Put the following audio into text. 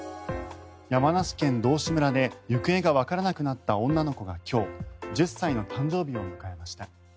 山梨県道志村で行方がわからなくなった女の子が今日１０歳の誕生日を迎えました。